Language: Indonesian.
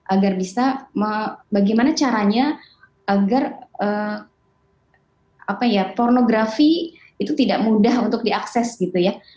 agar bisa bagaimana caranya agar pornografi itu tidak mudah untuk diakses gitu ya